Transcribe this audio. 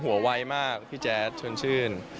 ไวมากพี่แจ๊ดชวนชื่น